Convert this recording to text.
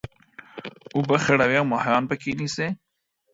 اوبه خړوي او ماهيان پکښي نيسي.